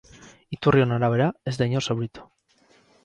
Iturrion arabera, ez da inor zauritu.